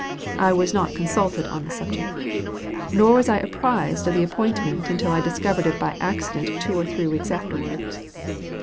I was not consulted on the subject, nor was I apprised of the appointment until I discovered it by accident two or three weeks afterwards.